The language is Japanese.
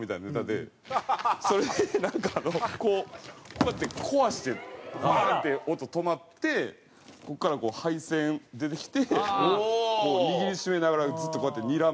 それでなんかあのこうこうやって壊してバン！って音止まってここからこう配線出てきてこう握り締めながらずっとこうやってにらむみたいな。